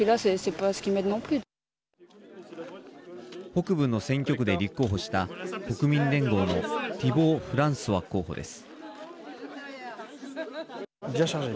北部の選挙区で立候補した国民連合のティボー・フランソワ候補です。